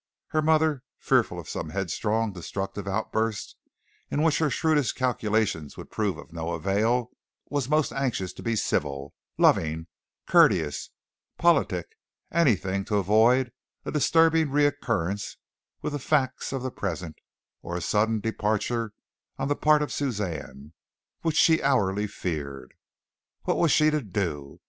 Her mother, fearful of some headstrong, destructive outburst in which her shrewdest calculations would prove of no avail, was most anxious to be civil, loving, courteous, politic anything to avoid a disturbing re encounter with the facts of the past, or a sudden departure on the part of Suzanne, which she hourly feared. What was she to do?